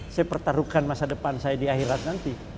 saya pertaruhkan masa depan saya di akhirat nanti